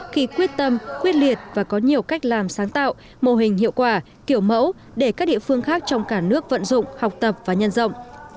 khi quyết tâm quyết liệt và có nhiều cách làm sáng tạo mô hình hiệu quả kiểu mẫu để các địa phương khác trong cả nước vận dụng học tập và nhân rộng